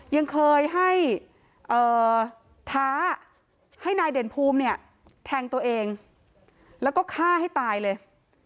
ยังเคยให้ท้าให้นายเด่นภูมิเนี่ยแทงตัวเองแล้วก็ฆ่าให้ตายเลย